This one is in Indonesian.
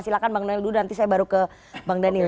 silahkan bang daniel dulu nanti saya baru ke bang daniel